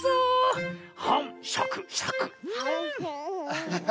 アハハ。